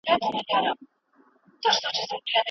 یې په خپل تعلیمي، اداري او دیني نظام کي ځای